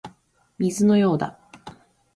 水のようだ